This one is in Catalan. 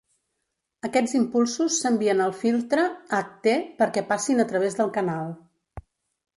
Aquests impulsos s'envien al filtre ht perquè passin a travès del canal.